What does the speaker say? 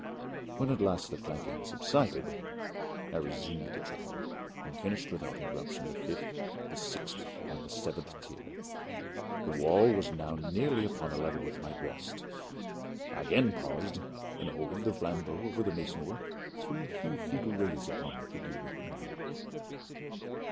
When at last the clanking subsided, I resumed the trowel, and finished without interruption the fifth, the sixth, and the seventh tier. The wall was now nearly upon a level with my breast. I again paused, and holding the flambeaux over the mason work, threw a few feeble rays upon the figure within.